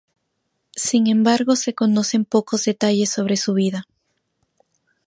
Sin embargo se conocen pocos detalles sobre su vida.